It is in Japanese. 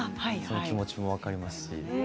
その気持ちも分かります。